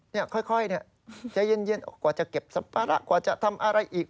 นี่ค่อยใจเย็นกว่าจะเก็บสภาระกว่าจะทำอะไรอีก